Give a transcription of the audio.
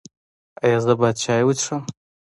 ایا زه باید چای وڅښم؟